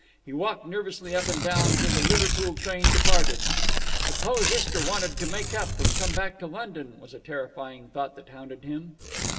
He walked nervously up and down till the Liverpool train departed. "Suppose Istra wanted to make up, and came back to London?" was a terrifying thought that hounded him.